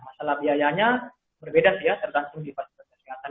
masalah biayanya berbeda sih ya tergantung di fasilitas kesehatan